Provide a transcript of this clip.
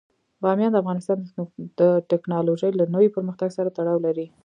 بامیان د افغانستان د تکنالوژۍ له نوي پرمختګ سره تړاو لري.